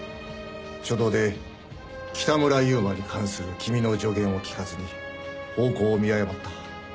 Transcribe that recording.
初動で北村悠馬に関する君の助言を聞かずに方向を見誤った。